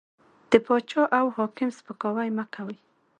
د باچا او حاکم سپکاوی مه کوئ!